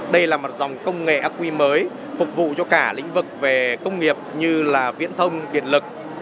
đây là một dòng công nghệ aqui mới phục vụ cho cả lĩnh vực về công nghiệp như là viễn thông điện lực